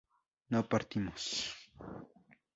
no partimos